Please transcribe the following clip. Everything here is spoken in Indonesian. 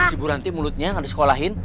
siburanti mulutnya gak disekolahin